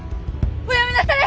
おやめなされ！